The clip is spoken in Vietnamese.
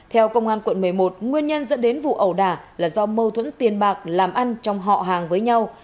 theo công an quận một mươi một nguyên nhân dẫn đến vụ ẩu đả là do mâu thuẫn tiền bạc làm ăn trong họ hàng với nhau